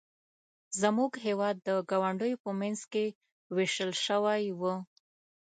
زموږ هېواد د ګاونډیو په منځ کې ویشل شوی و.